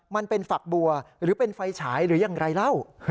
มันเป็นฝักบัวหรือเป็นไฟฉายหรือยังไรเล่า